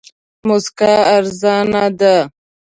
موسکا ارزانه ده.